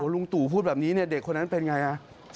ลุงตูพูดแบบนี้เด็กคนนั้นเป็นอย่างไร